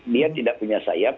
dia tidak punya sayap